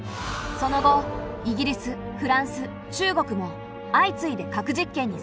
その後イギリスフランス中国も相次いで核実験に成功。